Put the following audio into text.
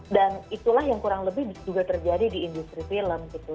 dan itulah yang kurang lebih juga terjadi di industri film gitu